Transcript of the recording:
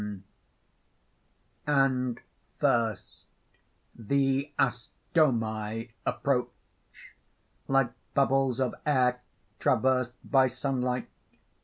_ And first: THE ASTOMI _approach, like bubbles of air traversed by sunlight.